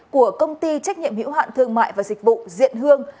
của công ty trách nhiệm hữu hạn thương mại và dịch vụ diện hương